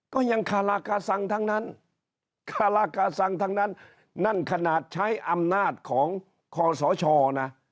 ก็ยังคารากาสังทั้งนั้นคารากาสังทั้งนั้นนั่นขนาดใช้อำนาจของคอสชนะ